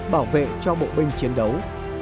bảo vệ cho bộ binh chiến đấu